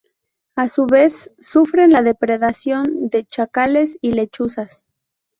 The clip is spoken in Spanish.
A su vez, sufren la depredación de chacales y lechuzas.